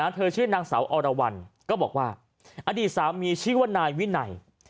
ชื่อนางสาวอรวรรณก็บอกว่าอดีตสามีชื่อว่านายวินัย